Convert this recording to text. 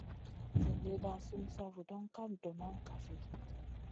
Zin lida sum sa vuŋa ka dono kafi ?